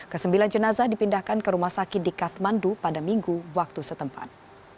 kesembilan jenazah dipindahkan ke rumah sakit di kathmandu pada minggu waktu setempat